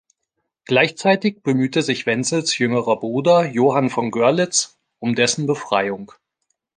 Gleichzeitig bemühte sich Wenzels jüngerer Bruder Johann von Görlitz um dessen Befreiung.